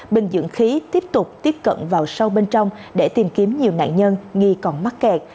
bình dưỡng khí tiếp tục tiếp cận vào sâu bên trong để tìm kiếm nhiều nạn nhân nghi còn mắc kẹt